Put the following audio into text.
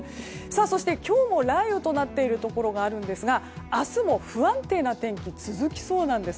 そして、今日も雷雨となっているところがあるんですが明日も不安定な天気が続きそうなんです。